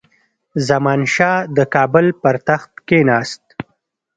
زمانشاه د کابل پر تخت کښېناست.